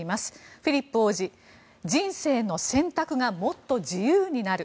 フィリップ王子人生の選択がもっと自由になる。